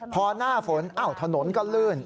พอหน้าฝนถนนก็ลื่น